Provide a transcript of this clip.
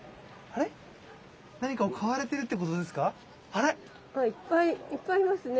あいっぱいいっぱいいますね。